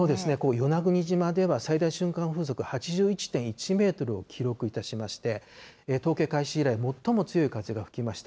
与那国島では最大瞬間風速８１．１メートルを記録いたしまして、統計開始以来最も強い風が吹きました。